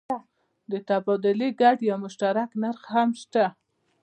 د تبادلې ګډ یا مشترک نرخ هم شته.